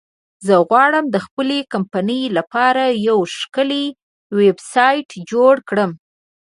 زه غواړم د خپلې کمپنی لپاره یو ښکلی ویبسایټ جوړ کړم